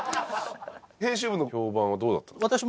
編集部の評判はどうだったんですか？